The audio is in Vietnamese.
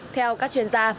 theo các chuyên gia